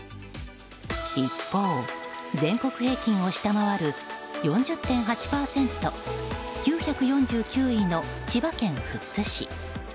一方、全国平均を下回る４０．８％９４９位の千葉県富津市。